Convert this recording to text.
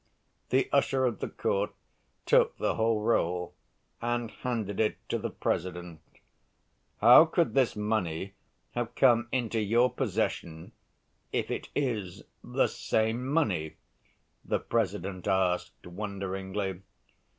The usher of the court took the whole roll and handed it to the President. "How could this money have come into your possession if it is the same money?" the President asked wonderingly.